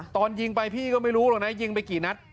ตอนยิงไปพี่ก็ไม่รู้หรอกนะยิงไปกี่นัด